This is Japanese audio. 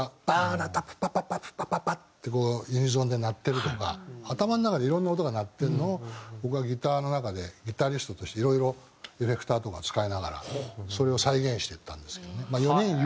「バーンプパパパプパパパ」ってこうユニゾンで鳴ってるとか頭の中でいろんな音が鳴ってるのを僕がギターの中でギタリストとしていろいろエフェクターとか使いながらそれを再現していったんですけどね。